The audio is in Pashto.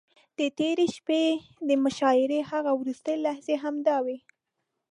د تېرې شپې د مشاعرې هغه وروستۍ لحظې همداوې.